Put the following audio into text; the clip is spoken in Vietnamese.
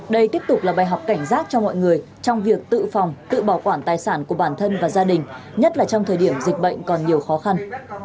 đây tiếp tục là bài học cảnh giác cho mọi người trong việc tự phòng tự bảo quản tài sản của bản thân và gia đình nhất là trong thời điểm dịch bệnh còn nhiều khó khăn